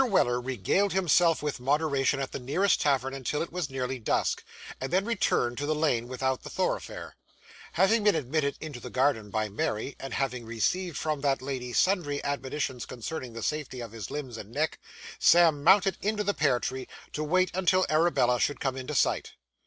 Weller regaled himself with moderation at the nearest tavern until it was nearly dusk, and then returned to the lane without the thoroughfare. Having been admitted into the garden by Mary, and having received from that lady sundry admonitions concerning the safety of his limbs and neck, Sam mounted into the pear tree, to wait until Arabella should come into sight.